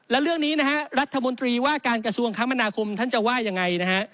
และเรื่องนี้นะฮะรัฐมนตรีว่าการกระทรวงคมนาคมท่านจะว่ายังไงนะฮะ